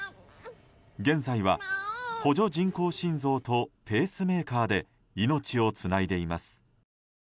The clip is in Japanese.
現在は補助人工心臓とペースメーカーで命をつないでいます。